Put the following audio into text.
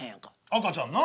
赤ちゃんな。